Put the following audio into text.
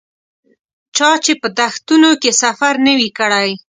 چا چې په دښتونو کې سفر نه وي کړی.